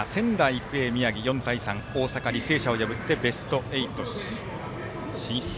育英、宮城、４対３大阪の履正社を破ってベスト８進出。